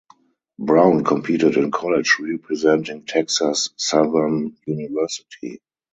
Brown competed in college representing Texas Southern University.